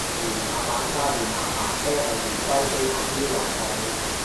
嫌晚晚叉電麻煩都係回歸機械錶懷抱